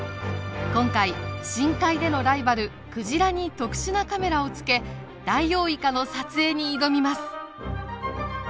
今回深海でのライバルクジラに特殊なカメラをつけダイオウイカの撮影に挑みます。